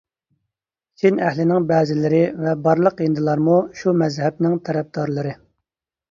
چىن ئەھلىنىڭ بەزلىرى ۋە بارلىق ھىندىلارمۇ شۇ مەزھەپنىڭ تەرەپدارلىرى.